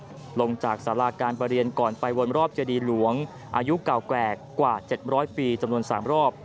ลงจากสาราการประเรียนก่อนไปวนรอบเจดีหลวงอายุเก่าแก่กว่า๗๐๐ปีจำนวน๓รอบ